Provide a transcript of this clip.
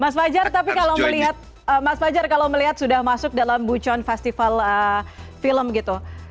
mas fajar tapi kalau melihat mas fajar kalau melihat sudah masuk dalam bucon festival film gitu